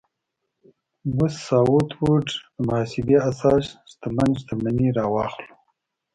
بوث ساوت ووډ محاسبې اساس شتمن شتمني راواخلو.